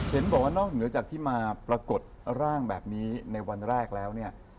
เห็นบอกว่านอกเหนือจากที่มาปรากฏร่างแบบนี้ในวันแรกแล้วเนี่ย